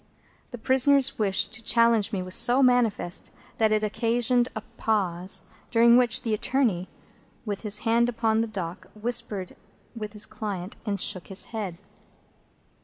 The prisoner's wish to challenge me was so manifest, that it occasioned a pause, during which the attorney, with his hand upon the dock, whispered with his client, and shook his head.